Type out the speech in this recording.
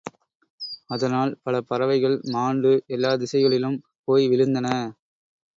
அதனால் பல பறவைகள் மாண்டு எல்லாத் திசைகளிலும் போய் விழுந்தன.